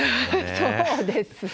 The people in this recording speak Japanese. そうですね。